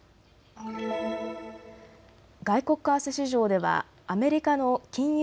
外国為替市場ではアメリカの金融